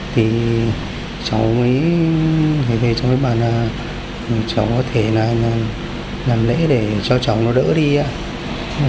thì cháu mới về cho mấy bạn là cháu có thể làm lễ để cho cháu nó đỡ đi ạ